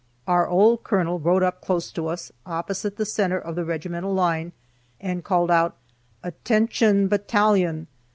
Our old colonel rode up close to us, opposite the center of the regimental line, and called out, "Attention, battalion!"